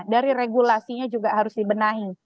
dari regulasinya juga harus dibenahi